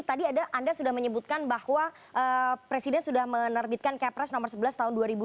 tadi anda sudah menyebutkan bahwa presiden sudah menerbitkan kepres nomor sebelas tahun dua ribu dua puluh